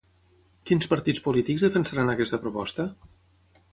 Quins partits polítics defensaran aquesta proposta?